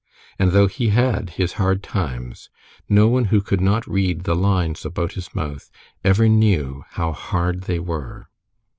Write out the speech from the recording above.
And though he had his hard times, no one who could not read the lines about his mouth ever knew how hard they were.